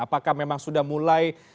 apakah memang sudah mulai